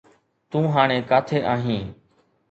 تون هاڻي ڪاٿي آهين؟